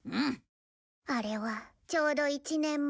あれはちょうど１年前。